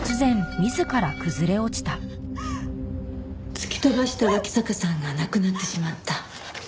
突き飛ばした脇坂さんが亡くなってしまった。